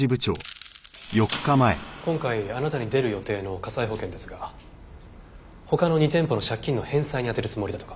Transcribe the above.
今回あなたに出る予定の火災保険ですが他の２店舗の借金の返済に充てるつもりだとか。